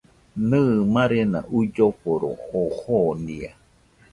Nɨ, marena uilloforo oo jonia